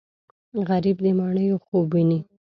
غریب د ماڼیو خوب ویني